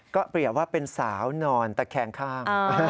ก็เปรียบว่าเป็นสาวนอนตะแคงข้าง